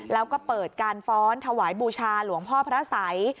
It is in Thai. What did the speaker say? แล้วก็เปิดการฟ้อนถวายบูชาหลวงพ่อพระสัย